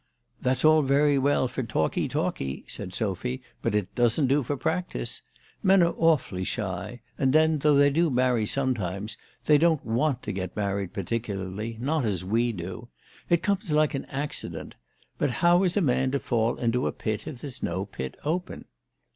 " That's all very well for talkee talkee," said Sophy; " but it doesn't do for practice. Men are awfully shy. And then though they do marry sometimes, they don't want to get married particularly, not as we do. It comes like an accident. But how is a man to fall into a pit if there's no pit open